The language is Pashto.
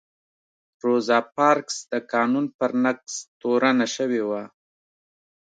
روزا پارکس د قانون پر نقض تورنه شوې وه.